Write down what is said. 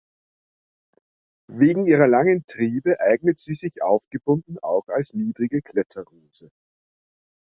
Wegen ihrer langen Triebe eignet sie sich aufgebunden auch als niedrige Kletterrose.